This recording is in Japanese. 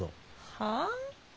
はあ？